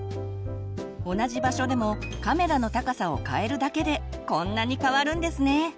同じ場所でもカメラの高さをかえるだけでこんなに変わるんですね。